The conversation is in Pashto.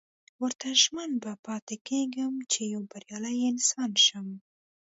ورته ژمن به پاتې کېږم چې يو بريالی انسان شم.